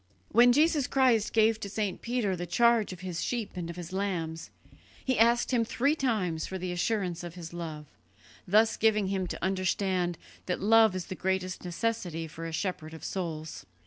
When Jesus Christ gave to St. Peter the charge of His sheep and of His lambs, He asked him three times for the assurance of his love, thus giving him to understand that love is the greatest necessity for a shepherd of souls.